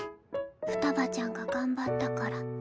ふたばちゃんが頑張ったから。